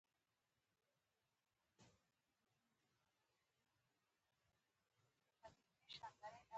خو له نورو څخه مې کرکه نه کېدله.